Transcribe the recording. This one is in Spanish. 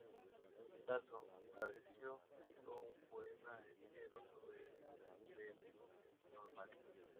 Tasso, agradecido, dedicó un poema entero sobre Tancredo el normando.